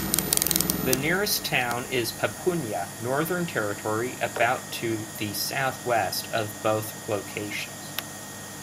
The nearest town is Papunya, Northern Territory, about to the southwest of both locations.